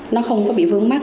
nó không có bị vướng mắt